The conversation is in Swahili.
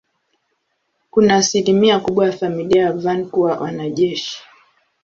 Kuna asilimia kubwa ya familia ya Van kuwa wanajeshi.